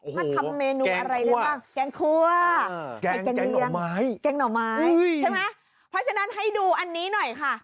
มาทำเมนูอะไรด้วยหรือเปล่าแกงคั่วแกงเหนียงแกงหน่อไม้ใช่ไหมพอฉะนั้นให้ดูอันนี้หน่อยค่ะ